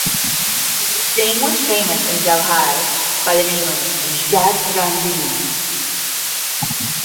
Singh was famous in Delhi by the name of Jat Gandhi.